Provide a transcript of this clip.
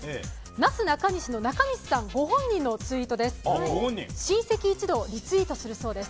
なすなかにしの中西さん、御本人のツイートです。